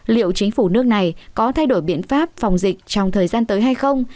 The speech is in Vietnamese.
liệu chính phủ nước này có thay đổi biện pháp phòng dịch trong thời gian tới hay không